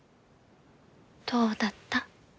どうだった？